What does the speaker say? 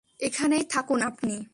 এখানেই থাকুন আপনি।